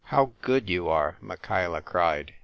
"How good you are!" Michaela cried.